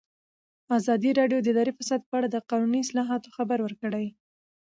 ازادي راډیو د اداري فساد په اړه د قانوني اصلاحاتو خبر ورکړی.